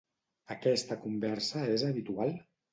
Aquesta conversa és habitual?